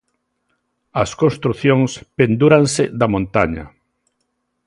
As construcións pendúranse da montaña.